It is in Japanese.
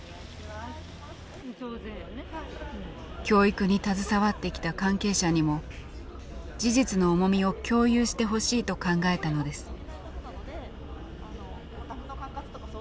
教育に携わってきた関係者にも事実の重みを共有してほしいと考えたのです。